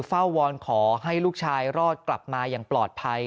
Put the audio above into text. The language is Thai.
วอนขอให้ลูกชายรอดกลับมาอย่างปลอดภัย